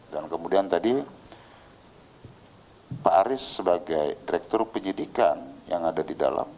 dan kemudian tadi pak aris sebagai direktur penyelidikan yang ada di dalam